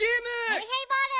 ヘイヘイボール！